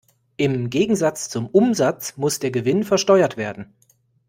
Im Gegensatz zum Umsatz muss der Gewinn versteuert werden.